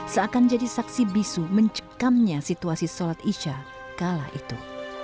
seakan jadi saksi bisu mencekamnya situasi sholat isya kala itu